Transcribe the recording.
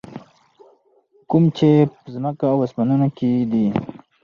کوم چې په ځکمه او اسمانونو کي دي.